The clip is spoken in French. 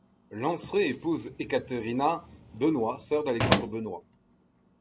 Lanceray épouse Ekaterina Benois sœur d'Alexandre Benois.